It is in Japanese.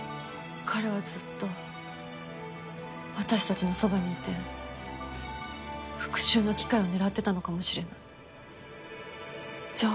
彼はずっと私たちのそばにいて復讐の機会を狙ってたのかもしれない。